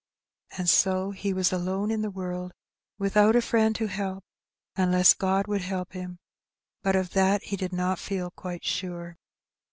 And so he was alone in the world, without a friend to help, unless God would help him; but of that he did not feel quite sure.